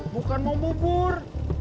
bukan mau bubur